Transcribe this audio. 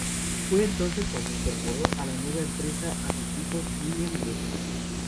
Fue entonces cuando incorporó a la nueva empresa a sus hijos William y Betty.